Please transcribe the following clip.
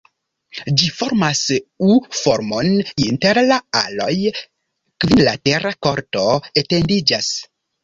Ĝi formas U-formon, inter la aloj kvinlatera korto etendiĝas.